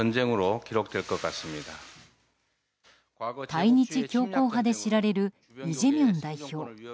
対日強硬派で知られるイ・ジェミョン代表。